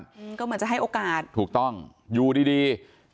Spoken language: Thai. อืมก็เหมือนจะให้โอกาสถูกต้องอยู่ดีดี